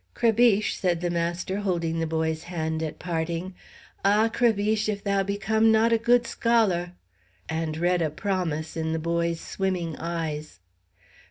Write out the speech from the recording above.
"Crébiche," said the master, holding the boy's hand at parting, "ah! Crébiche, if thou become not a good scholar" and read a promise in the boy's swimming eyes.